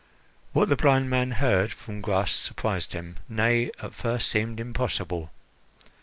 What the blind man heard from Gras surprised him nay, at first seemed impossible.